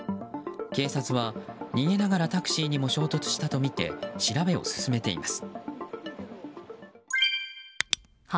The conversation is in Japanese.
警察は、逃げながらタクシーにも衝突したとみて調べを進めています。